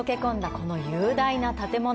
この雄大な建物。